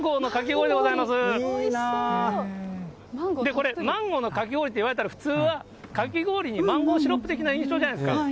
これ、マンゴーのかき氷って言われたら、普通はかき氷にマンゴーシロップ的な印象じゃないですか。